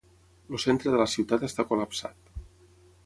El centre de la ciutat està col·lapsat.